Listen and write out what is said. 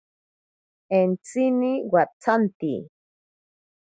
Entsini watsanti.